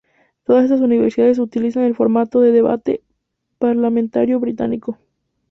Todas estas universidades utilizan el formato de debate parlamentario británico.